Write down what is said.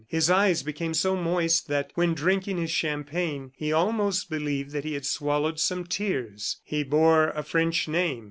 His eyes became so moist that, when drinking his champagne, he almost believed that he had swallowed some tears. He bore a French name.